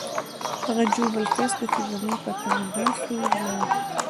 هغه ژوبل کس ته چې زموږ په تمه ناست وو، ولاړو.